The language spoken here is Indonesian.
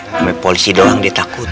sama polisi doang dia takut